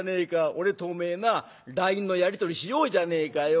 俺とおめえなＬＩＮＥのやり取りしようじゃねえかよ。